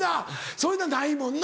そういうのはないもんな？